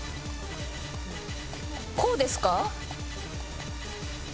こうですか？